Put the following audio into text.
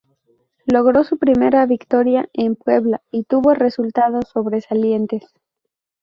Logro su primera victoria en Puebla y tuvo resultados sobresalientes.